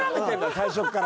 最初から。